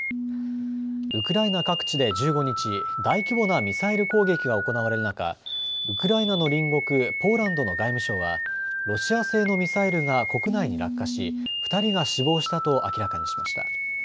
ウクライナ各地で１５日、大規模なミサイル攻撃が行われる中、ウクライナの隣国ポーランドの外務省はロシア製のミサイルが国内に落下し２人が死亡したと明らかにしました。